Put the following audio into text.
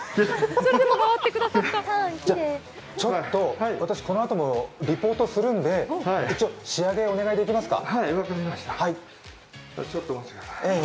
ちょっと私、このあともリポートするんで一応、仕上げお願いできますか？